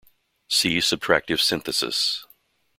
See subtractive synthesis.